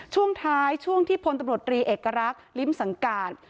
ช่วงท้ายช่วงที่พลตำรวจรีเอกลักษ์ลิ้มสังการ